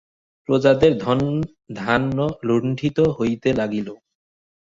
প্রজাদের ধনধান্য লুণ্ঠিত হইতে লাগিল।